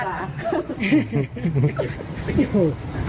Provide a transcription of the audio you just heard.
สกิลสกิล